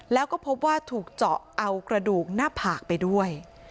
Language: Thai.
แล้วก็พบว่าถูกเจาะเอากระดูกหน้าผากไปด้วย